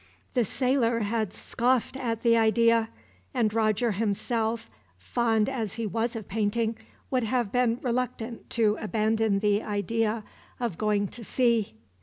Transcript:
The sailor had scoffed at the idea; and Roger himself, fond as he was of painting, would have been reluctant to abandon the idea of going to sea.